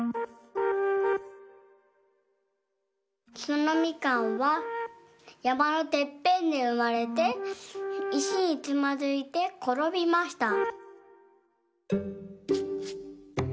そのみかんはやまのてっぺんでうまれていしにつまずいてころびました。